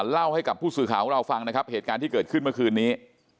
เล่าให้กับผู้สื่อข่าวของเราฟังนะครับเหตุการณ์ที่เกิดขึ้นเมื่อคืนนี้